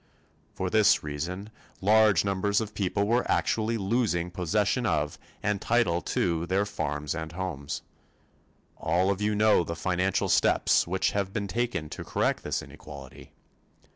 For this reason large numbers of people were actually losing possession of and title to their farms and homes. All of you know the financial steps which have been taken to correct this inequality.